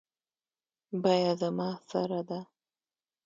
بیه زما سره ده